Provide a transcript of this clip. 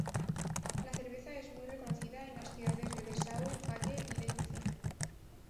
La cerveza es muy reconocida en las ciudades de Dessau, Halle y Leipzig.